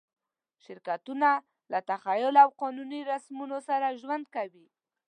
شرکتونه له تخیل او قانوني رسمونو سره ژوند کوي.